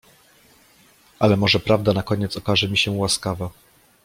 Ale może prawda na koniec okaże mi się łaskawa…